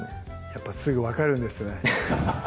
やっぱすぐ分かるんですね